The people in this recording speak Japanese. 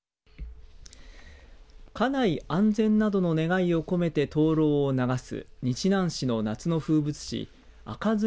家内安全などの願いを込めて灯籠を流す日南市の夏の風物詩赤面